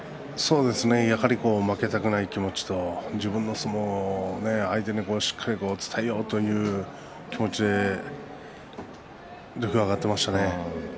やはり負けたくない気持ちと自分の相撲を相手にしっかり伝えようという気持ちで土俵に上がっていましたね。